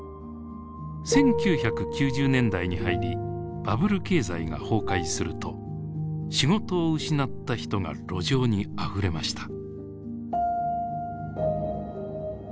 １９９０年代に入りバブル経済が崩壊すると仕事を失った人が路上にあふれました。